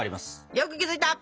よく気付いた！